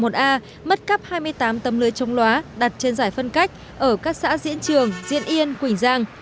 mất cắp hai mươi tám tấm lưới trống lóa đặt trên giải phân cách ở các xã diễn trường diễn yên quỳnh giang